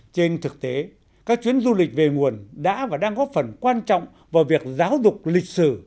trên thực tế các chuyến du lịch về nguồn đã và đang góp phần quan trọng vào việc giáo dục lịch sử